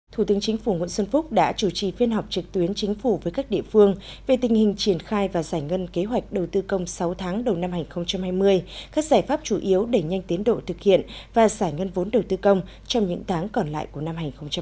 thủ tướng chính phủ nguyễn xuân phúc đã chủ trì phiên họp trực tuyến chính phủ với các địa phương về tình hình triển khai và giải ngân kế hoạch đầu tư công sáu tháng đầu năm hai nghìn hai mươi các giải pháp chủ yếu đẩy nhanh tiến độ thực hiện và giải ngân vốn đầu tư công trong những tháng còn lại của năm hai nghìn hai mươi